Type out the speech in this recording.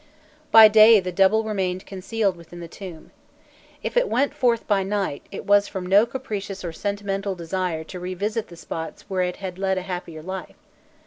By day the double remained concealed within the tomb. If it went forth by night, it was from no capricious or sentimental desire to revisit the spots where it had led a happier life.